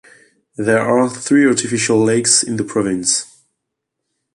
There are three artificial lakes in the province.